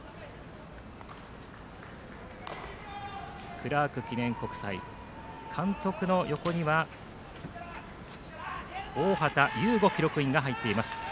クラーク記念国際監督の横には大畠悠吾記録員が入っています。